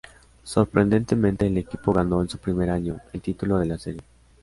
Sorprendentemente, el equipo ganó en su primer año, el título de la serie.